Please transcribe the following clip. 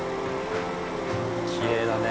きれいだね。